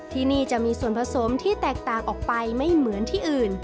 ที่นี่จะมีส่วนผสมที่แตกต่างออกไปไม่เหมือนที่อื่น